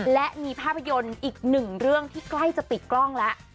และมีภาพยนตร์อีกหนึ่งเรื่องที่ใกล้จะติดกล้องแล้ว